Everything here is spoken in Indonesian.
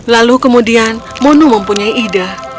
lalu kemudian monu mempunyai ide